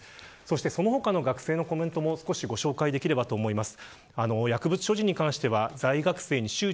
その他の学生のコメントもご紹介できればと思います。